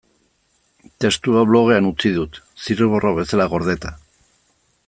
Testua blogean utzi dut, zirriborro bezala gordeta.